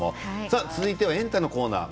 続いてエンタのコーナーです。